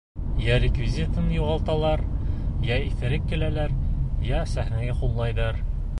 Йә реквизитын юғалталар, йә иҫерек киләләр, йә сәхнәгә һуңлайҙар!